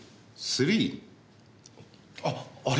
あっあれ？